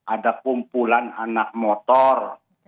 ada kumpulan anak motor